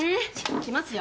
行きますよ。